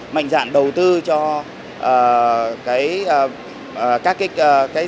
mạnh dạng đầu tư cho các doanh nghiệp